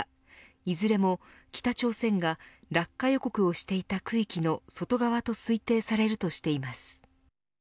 いずれも北朝鮮が落下予告をしていた区域の外側と推定されるとしています。